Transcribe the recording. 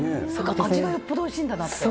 味がよっぽどおいしいんだなって。